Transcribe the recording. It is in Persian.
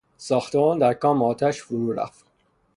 ساختمان در کام آتش فرو رفت.